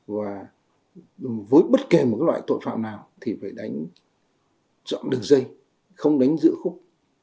và với bất kỳ một loại tội phạm nào thì phải đánh rộng đường dây không đánh giữa khúc